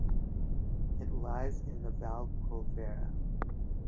It lies in the Val Colvera.